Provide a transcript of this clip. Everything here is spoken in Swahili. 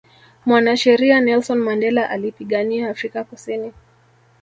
mwanasheria nelson mandela alipigania Afrika kusini